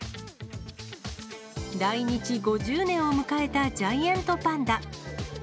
来日５０年を迎えたジャイアントパンダ。